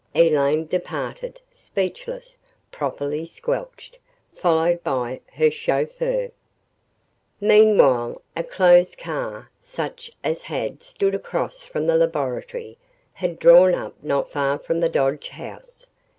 Elaine departed, speechless, properly squelched, followed by her chauffeur. ........ Meanwhile, a closed car, such as had stood across from the laboratory, had drawn up not far from the Dodge house.